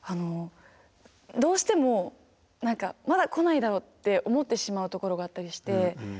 どうしても何かまだ来ないだろうって思ってしまうところがあったりして。